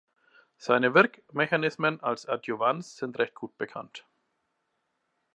Seine Wirkmechanismen als Adjuvans sind recht gut bekannt.